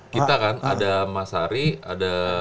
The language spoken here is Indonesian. kita kan ada mas ari ada